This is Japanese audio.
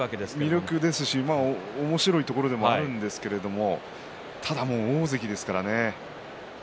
魅力ですしおもしろいところでもあるんですけれどただもう大関ですからね。